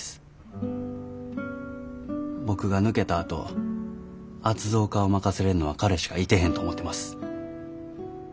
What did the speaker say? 僕が抜けたあと圧造課を任せれんのは彼しかいてへんと思てます。